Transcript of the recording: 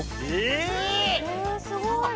えすごい！